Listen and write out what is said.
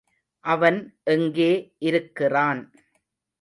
அவன் எங்கே இருக்கிறான்.